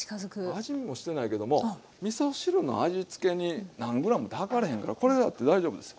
味見もしてないけどもみそ汁の味つけに何ｇって量れへんからこれだって大丈夫ですよ。